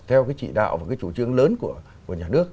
theo cái chỉ đạo và cái chủ trương lớn của nhà nước